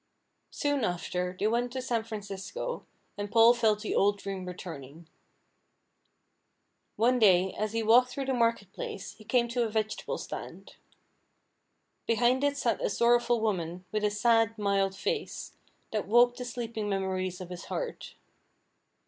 Soon after, they went to San Francisco, and Paul felt the old dream returning. One day, as he walked through the market place, he came to a vegetable stand. Behind it sat a sorrowful woman, with a sad, mild face, that woke the sleeping memories of his heart.